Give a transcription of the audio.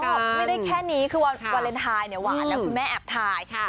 ไม่ได้แค่นี้คือวันเวลนไทยหวานแล้วคุณแม่แอบทายค่ะ